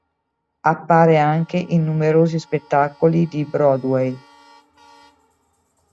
Appare anche in numerosi spettacoli di Broadway.